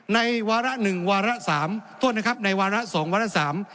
ในวาระ๑วาระ๓โทษนะครับในวาระ๒วาระ๓